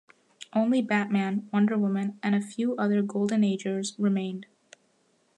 Only Batman, Wonder Woman and a few other Golden-Agers remained.